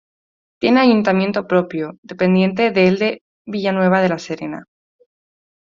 Tiene ayuntamiento propio, dependiente del de Villanueva de la Serena.